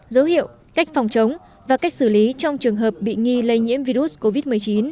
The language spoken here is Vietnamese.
dấu hiệu cách phòng chống và cách xử lý trong trường hợp bị nghi lây nhiễm virus covid một mươi chín